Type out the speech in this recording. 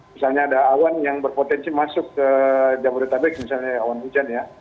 misalnya ada awan yang berpotensi masuk ke jabodetabek misalnya awan hujan ya